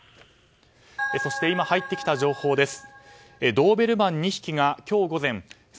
そして、今入ってきた情報です。